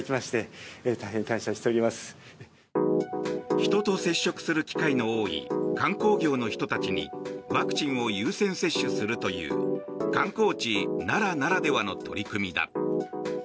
人と接触する機会の多い観光業の人たちにワクチンを優先接種するという観光地・奈良ならではの取り組みだ。